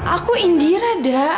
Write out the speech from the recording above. aku indira dah